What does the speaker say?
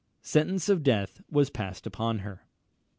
Sentence of death was passed upon her.